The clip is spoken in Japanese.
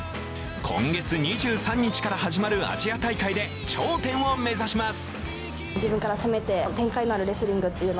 今月２３日から始まるアジア大会で頂点を目指します。